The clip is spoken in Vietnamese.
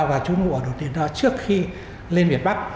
và trú ngụ ở đồn điền đó trước khi lên việt bắc